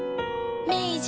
明治